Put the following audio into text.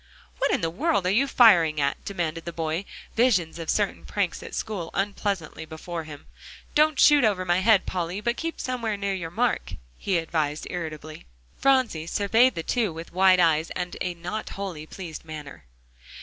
"What in the world are you firing at?" demanded the boy, visions of certain pranks at school unpleasantly before him. "Don't shoot over my head, Polly, but keep somewhere near your mark," he advised irritably. Phronsie surveyed the two with wide eyes, and a not wholly pleased manner.